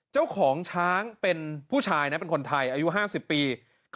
เจ้าของช้างเป็นผู้ชายนะเป็นคนไทยอายุ๕๐ปี